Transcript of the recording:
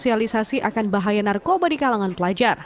sosialisasi akan bahaya narkoba di kalangan pelajar